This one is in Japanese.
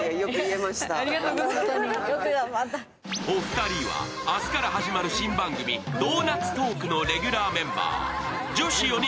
お二人は明日から始まる新番組「ドーナツトーク」のレギュラーメンバー。